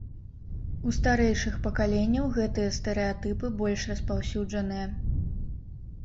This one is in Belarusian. У старэйшых пакаленняў гэтыя стэрэатыпы больш распаўсюджаныя.